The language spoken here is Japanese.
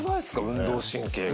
運動神経が。